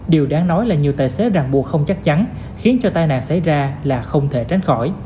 điều đáng nói là nhiều tài xế ràng buộc không chắc chắn khiến cho tai nạn xảy ra là không thể tránh khỏi